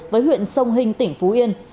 với huyện sông hình tỉnh phú yên